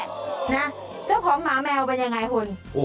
เจ้าของหมาแมวเป็นยังไงคุณ